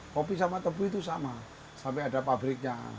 kopi sama tebu itu sama sampai ada pabriknya